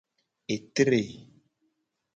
Etre.